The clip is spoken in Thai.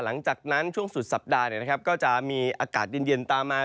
หลังจากนั้นช่วงสุดสัปดาห์ก็จะมีอากาศเย็นตามมา